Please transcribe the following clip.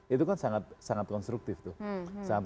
itu kan sangat konstruktif tuh